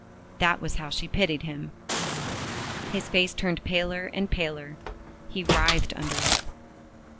That was how she pitied him! His face turned paler and paler he writhed under it.